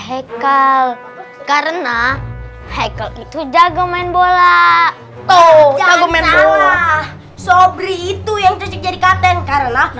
hekal karena hekal itu jago main bola toh jago main bola sobring itu yang jadi katen karena